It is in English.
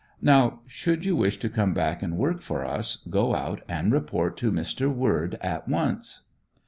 Now should you wish to come back and work for us, go out and report to Mr. Word at once."